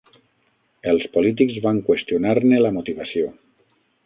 Els polítics van qüestionar-ne la motivació.